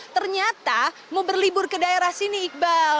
ternyata mau berlibur ke daerah sini iqbal